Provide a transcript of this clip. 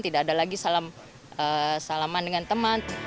tidak ada lagi salaman dengan teman